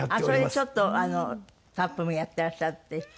それでちょっとタップもやっていらっしゃって。